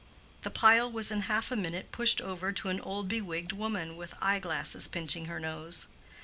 The pile was in half a minute pushed over to an old bewigged woman with eye glasses pinching her nose.